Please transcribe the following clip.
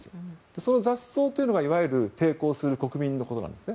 その雑草というのがいわゆる抵抗する国民のことなんですね。